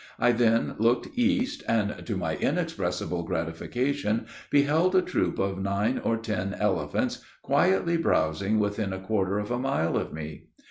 I then looked east, and to my inexpressible gratification, beheld a troup of nine or ten elephants quietly browsing within a quarter of a mile of me.